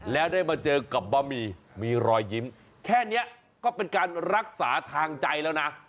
แล้วได้มาเจอกับบะหมี่มีรอยยิ้มแค่นี้ก็เป็นการรักษาทางใจแล้วนะ